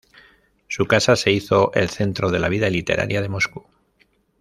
Su casa se hizo el centro de la vida literaria de Moscú.